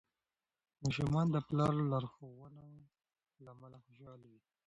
ماشومان د پلار لارښوونو له امله خوشحال وي.